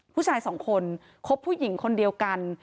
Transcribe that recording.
ผู้ชายสองคนคบผู้หญิงคนเดียวกัน